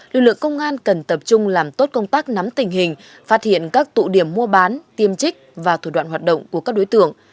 lực lượng công an cần tập trung làm tốt công tác nắm tình hình phát hiện các tụ điểm mua bán tiêm trích và thủ đoạn hoạt động của các đối tượng